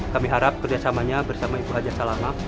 kami harap kerjasamanya bersama ibu haja salama